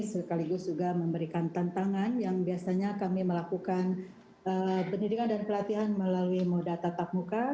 sekaligus juga memberikan tantangan yang biasanya kami melakukan pendidikan dan pelatihan melalui moda tatap muka